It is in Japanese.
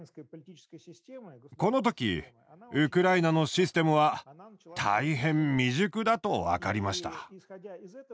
この時ウクライナのシステムは大変未熟だと分かりました。